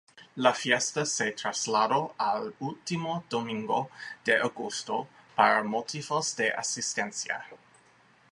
La fiesta se trasladó al último domingo de agosto por motivos de asistencia.